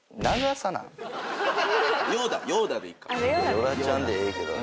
与田ちゃんでええけど。